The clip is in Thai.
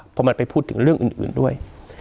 พอมันไปพูดถึงเรื่องอื่นด้วย